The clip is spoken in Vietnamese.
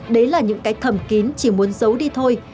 đấy là những cái thẩm kín chỉ muốn giấu đi thôi